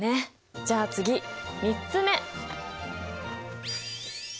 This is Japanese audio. じゃあ次３つ目。